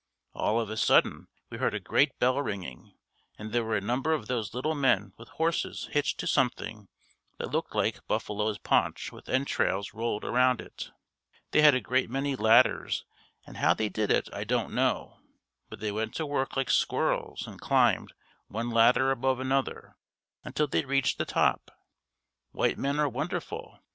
All of a sudden we heard a great bell ringing and there were a number of those little men with horses hitched to something that looked like buffalo's paunch with entrails rolled around it. They had a great many ladders and how they did it I don't know, but they went to work like squirrels and climbed, one ladder above another, until they reached the top. White men are wonderful.